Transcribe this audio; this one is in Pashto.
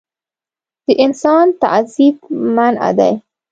د انسان تعذیب منعه دی.